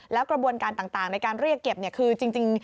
แล้วกระบวนการต่างในการเรียกเก็บคือจริง